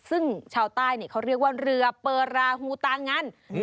ซึ่งชาวใต้เขาเรียกว่าเรือเปอราฮูตางัน